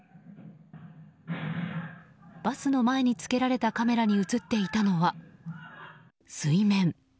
バスの前につけられたカメラに映っていたのは水面。